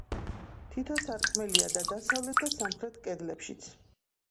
თითო სარკმელია და დასავლეთ და სამხრეთ კედლებშიც.